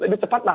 lebih cepat lah